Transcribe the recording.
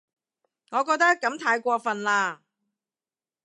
我覺得噉太過份喇